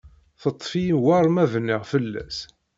Teṭṭef-iyi war ma bniɣ fell-as.